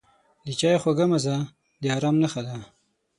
د چای خوږه مزه د آرام نښه ده.